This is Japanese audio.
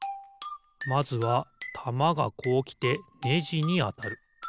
まずはたまがこうきてネジにあたる。